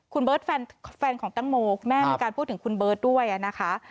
คุณเบิร์ตแฟนของตังโมคุณแม่มีการพูดถึงคุณเบิร์ตด้วยนะคะ